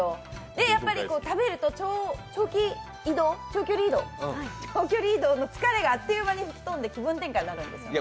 食べると長距離移動の疲れがあっという間に吹き飛んで気分転換になるんですよ。